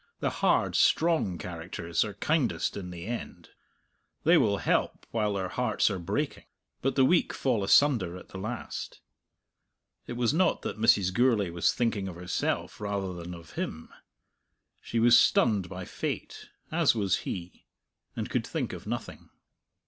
The hard, strong characters are kindest in the end; they will help while their hearts are breaking. But the weak fall asunder at the last. It was not that Mrs. Gourlay was thinking of herself rather than of him. She was stunned by fate as was he and could think of nothing.